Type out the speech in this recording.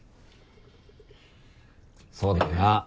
そうだな。